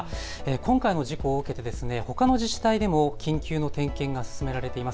今回の事故を受けてほかの自治体でも緊急の点検が進められています。